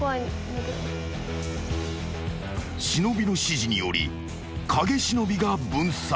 ［忍の指示により影忍が分散］